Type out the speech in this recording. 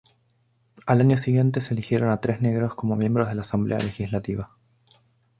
Al año siguiente se eligieron a tres negros como miembros de la asamblea legislativa.